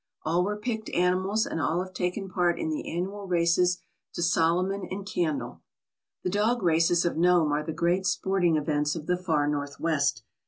All were picked animals and all have taken part in the annual races to Solomon and Candle. The dog races of Nome are the great sporting events of the Far Northwest.